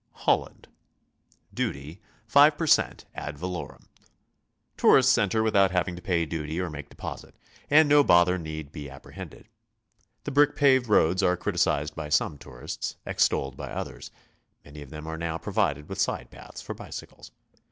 HOLLAND. Duty, 5 per cent, ad valorem. Tourists enter without having to pay duty or make deposit, and no bother need be apprehended. The brick paved roads are criticized by some tourists, extolled by others; many of them are now provided with side paths for bicycles.